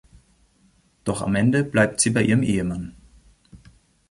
Doch am Ende bleibt sie bei ihrem Ehemann.